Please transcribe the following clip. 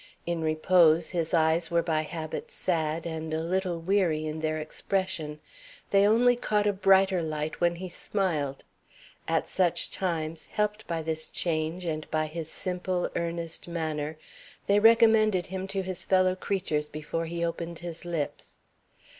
In repose, his eyes were by habit sad and a little weary in their expression. They only caught a brighter light when he smiled. At such times, helped by this change and by his simple, earnest manner, they recommended him to his fellow creatures before he opened his lips.